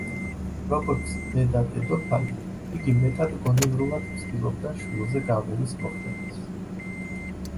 როგორც დედა-დედოფალი, იგი მეტად გონივრულად ცდილობდა შვილზე გავლენის მოხდენას.